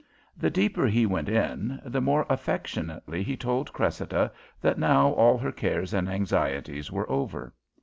The deeper he went in, the more affectionately he told Cressida that now all her cares and anxieties were over.